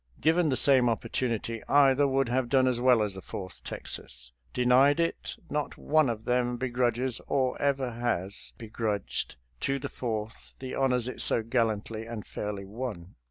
Given the same opportunity, either would have done as well as the Fourth Texas — denied it, not one of them begrudges, or ever has be grudged, to the Fourth the honors it so gallantly and fairly won.